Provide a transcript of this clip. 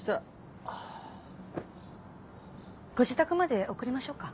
ご自宅まで送りましょうか？